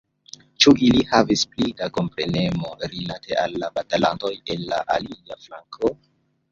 Ĉu ili havis pli da komprenemo rilate al la batalantoj el la alia flanko?